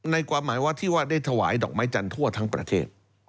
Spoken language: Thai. ความหมายว่าที่ว่าได้ถวายดอกไม้จันทร์ทั่วทั้งประเทศ